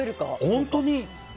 本当に？